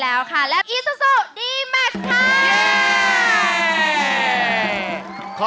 แล้วอีโซโซดี้แมคค่ะ